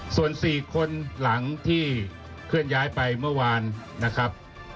ส่วน๔คนหลังที่เคลื่อนย้ายไปเมื่อวานนะครับ